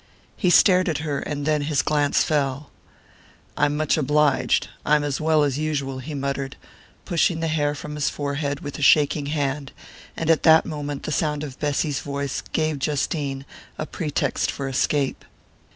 He stared at her and then his glance fell. "I'm much obliged I'm as well as usual," he muttered, pushing the hair from his forehead with a shaking hand; and at that moment the sound of Bessy's voice gave Justine a pretext for escape.